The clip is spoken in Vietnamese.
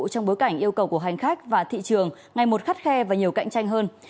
trong bối cảnh yêu cầu của hành khách và thị trường ngày một khắt khe và nhiều cạnh tranh hơn